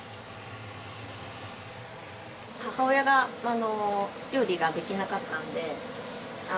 母親がまああの料理ができなかったので。